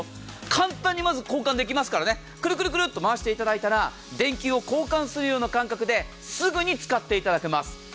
簡単に交換できますからくるくると回していただいたら電気を交換するような感覚ですぐに使っていただけます。